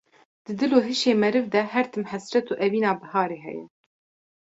Di dil û heşê meriv de her tim hesret û evîna biharê heye